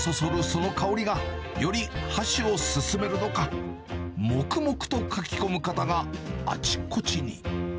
その香りが、より箸を進めるのか、黙々とかき込む方があちこちに。